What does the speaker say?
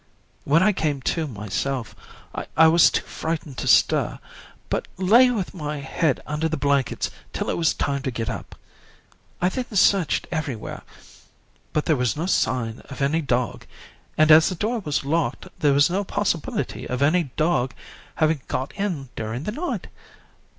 When I came to myself, I was too frightened to stir, but lay with my head under the blankets till it was time to get up. I then searched everywhere, but there was no sign of any dog, and as the door was locked there was no possibility of any dog having got in during the night.